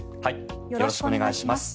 よろしくお願いします。